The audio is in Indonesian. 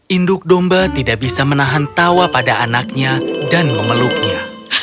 induk domba tidak bisa menahan tawa pada anaknya dan memeluknya